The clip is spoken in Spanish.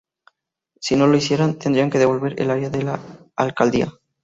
Si no lo hicieran, tendrían que devolver el área a la Alcaldía.